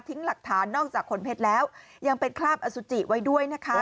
หลักฐานนอกจากขนเพชรแล้วยังเป็นคราบอสุจิไว้ด้วยนะคะ